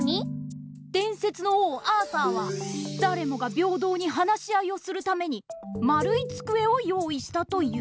でんせつの王アーサーはだれもがびょうどうに話し合いをするためにまるいつくえを用いしたという。